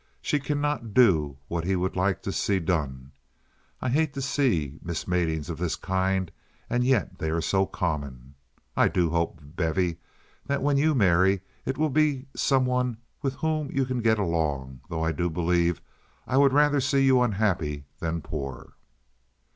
She cannot do what he would like to see done. I hate to see mismatings of this kind, and yet they are so common. I do hope, Bevy, that when you marry it will be some one with whom you can get along, though I do believe I would rather see you unhappy than poor."